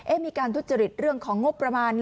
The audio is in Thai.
มีการทุจริตเรื่องของงบประมาณ